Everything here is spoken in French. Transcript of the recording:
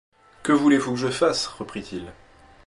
Que voulez-vous que je fasse ? reprit-il.